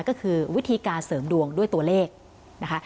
ก็คือวิธีการเสริมดวงด้วยตัวเลขนะคะ